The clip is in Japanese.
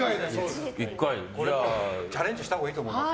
チャレンジしたほうがいいと思います。